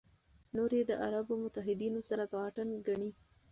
نور یې د عربو متحدینو سره واټن ګڼي.